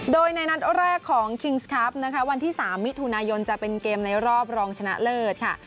โดยในนัดแรกของคิงส์ครับนะคะวันที่๓มิถุนายนจะเป็นเกมในรอบรองชนะเลิศค่ะ